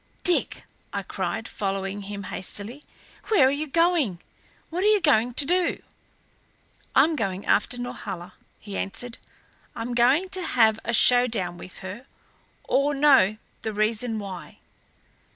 "Dick," I cried, following him hastily, "where are you going? What are you going to do?" "I'm going after Norhala," he answered. "I'm going to have a showdown with her or know the reason why."